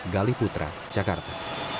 gali putra jakarta